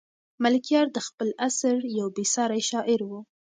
ملکیار د خپل عصر یو بې ساری شاعر و.